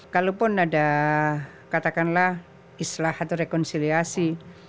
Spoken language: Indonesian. kalaupun ada katakanlah islah atau rekonsiliasi